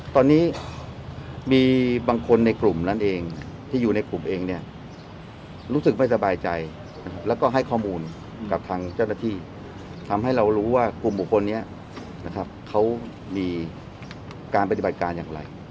ตอนนี้มีบางคนในกลุ่มนั้นเองที่อยู่ในกลุ่มเองเนี่ยรู้สึกไม่สบายใจแล้วก็ให้ข้อมูลกับทางเจ้าหน้าที่ทำให้เรารู้ว่ากลุ่มบุคคลนี้นะครับเขามีการปฏิบัติการอย่างไร